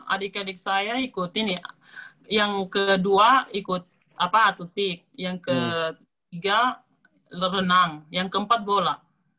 adik adik saya ikutin ya yang kedua ikut atletik yang ketiga renang yang keempat bola